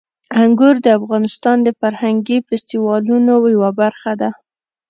انګور د افغانستان د فرهنګي فستیوالونو یوه برخه ده.